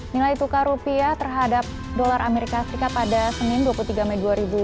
nilai tukar rupiah terhadap dolar amerika serikat pada senin dua puluh tiga mei dua ribu dua puluh